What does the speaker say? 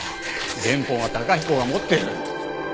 原本は崇彦が持ってる。